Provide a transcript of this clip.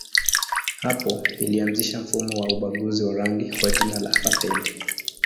Hapo ilianzisha mfumo wa ubaguzi wa rangi kwa jina la apartheid.